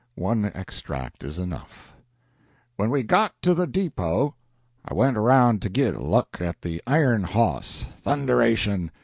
One extract is enough: "When we got to the depo', I went around to git a look at the iron hoss. Thunderation!